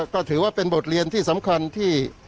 ก็ถือว่าเป็นบทเรียนที่สำคัญที่